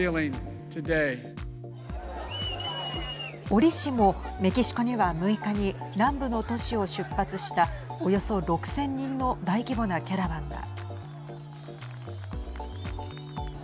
折しも、メキシコには６日に、南部の都市を出発したおよそ６０００人の大規模なキャラバンが。